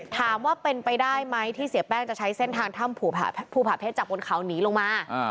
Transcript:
ถามว่าเป็นไปได้ไหมที่เสียแป้งจะใช้เส้นทางถ้ำภูผาเพชรจากบนเขาหนีลงมา